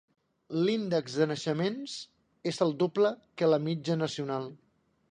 L"índex de naixements és el doble que la mitja nacional.